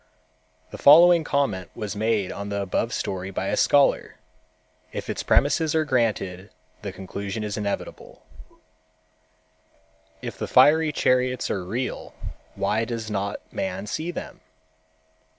The following comment was made on the above story by a scholar. If its premises are granted, the conclusion is inevitable: "If the fiery chariots are seal, why does not man see them?